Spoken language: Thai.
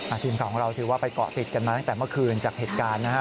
ทีมข่าวของเราถือว่าไปเกาะติดกันมาตั้งแต่เมื่อคืนจากเหตุการณ์นะฮะ